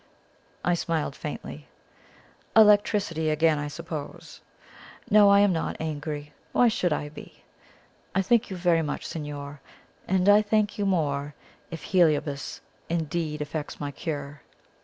I smiled faintly. "Electricity again, I suppose! No, I am not angry. Why should I be? I thank you very much, signor, and I shall thank you more if Heliobas indeed effects my cure."